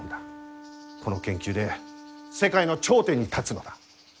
この研究で世界の頂点に立つのだ。